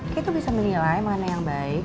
kei tuh bisa menilai mana yang baik